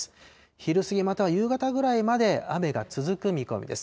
昼過ぎ、または夕方ぐらいまで雨が続く見込みです。